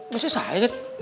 masih saya kan